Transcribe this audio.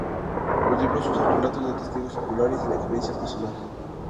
Los libros usan relatos de testigos oculares y la experiencia personal.